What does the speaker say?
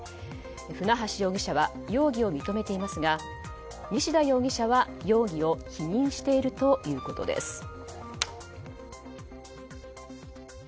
船橋容疑者は容疑を認めていますが西田容疑者は容疑を否認しているということです。